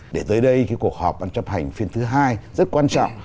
để tới đây cái cuộc họp ban chấp hành phiên thứ hai rất quan trọng